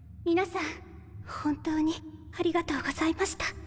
みなさん本当にありがとうございました。